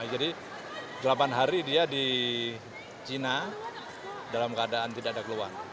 jadi delapan hari dia di cina dalam keadaan tidak ada keluhan